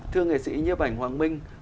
thưa nghệ sĩ nhếp ảnh hoàng minh